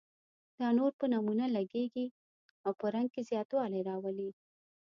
دا نور په نمونه لګیږي او په رنګ کې زیاتوالی راولي.